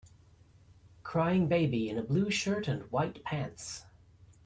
crying baby in a blue shirt and white pants.